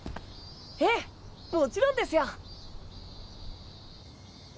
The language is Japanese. ええもちろんですよ！